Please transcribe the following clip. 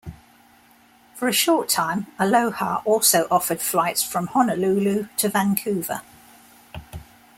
For a short time Aloha also offered flights from Honolulu to Vancouver.